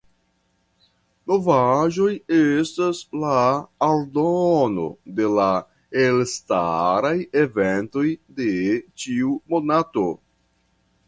Novaĵoj estis la aldono de la elstaraj eventoj de ĉiu monato.